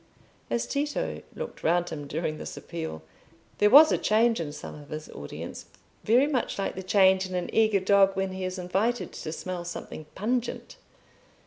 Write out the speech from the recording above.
As Tito looked round him during this appeal, there was a change in some of his audience very much like the change in an eager dog when he is invited to smell something pungent.